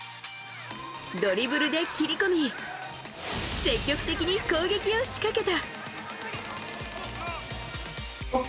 ドリブルで切り込み積極的に攻撃を仕掛けた。